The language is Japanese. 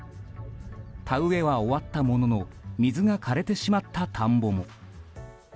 田植えは終わったものの水が枯れてしまった田んぼも。